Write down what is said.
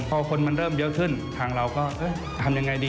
พอคนมันเริ่มเยอะขึ้นทางเราก็ทำยังไงดี